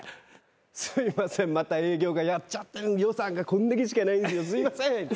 すいませんまた営業がやっちゃって予算がこんだけしかないんすよすいませんっつって。